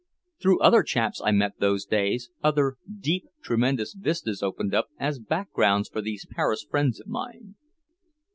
Through other chaps I met those days, other deep, tremendous vistas opened up as backgrounds for these Paris friends of mine.